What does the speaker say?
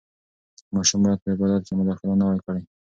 ماشوم باید په عبادت کې مداخله نه وای کړې.